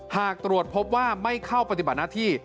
หากตรวจพบว่าไม่เข้าปฏิบัติหน้าที่